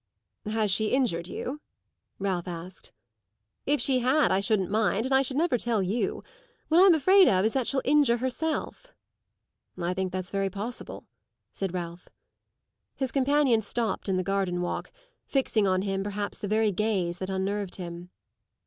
"Has she injured you?" Ralph asked. "If she had I shouldn't mind, and I should never tell you. What I'm afraid of is that she'll injure herself." "I think that's very possible," said Ralph. His companion stopped in the garden walk, fixing on him perhaps the very gaze that unnerved him.